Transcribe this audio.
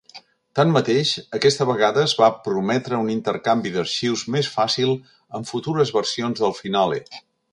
Tanmateix, aquesta vegada es va prometre un intercanvi d'arxius més fàcil amb futures versions del Finale.